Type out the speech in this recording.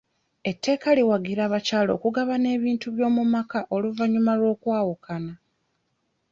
Etteeka liwagira abakyala okugabana ebintu by'omu maka oluvannyuma lw'okwawukana.